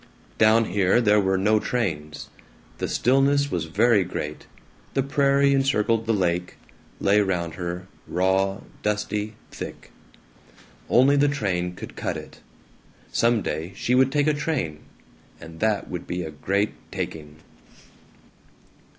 Down here there were no trains. The stillness was very great. The prairie encircled the lake, lay round her, raw, dusty, thick. Only the train could cut it. Some day she would take a train; and that would be a great taking.